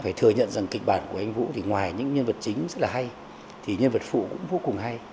phải thừa nhận rằng kịch bản của anh vũ thì ngoài những nhân vật chính rất là hay thì nhân vật phụ cũng vô cùng hay